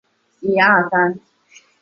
洋紫荆是香港法定代表花卉。